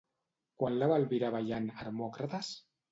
Quan la va albirar ballant Hermòcrates?